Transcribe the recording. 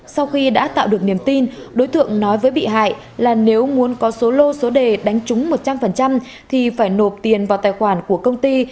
sau khi đã tạo được niềm tin đối tượng nói với bị hại là nếu muốn có số lô số đề đánh trúng một trăm linh thì phải nộp tiền vào tài khoản của công ty